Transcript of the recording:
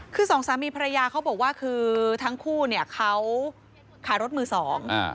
คือสองสามีภรรยาเขาบอกว่าคือทั้งคู่เนี่ยเขาขายรถมือสองอ่า